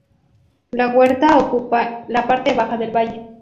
La huerta ocupa la parte baja del valle.